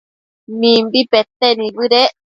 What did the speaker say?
Mimbi pete nibëdec